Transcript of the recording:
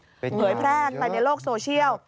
เผยแพร่ไปในโลกโซเชียล